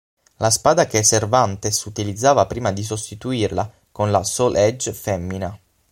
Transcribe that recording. La spada che Cervantes utilizzava prima di sostituirla con la Soul Edge femmina.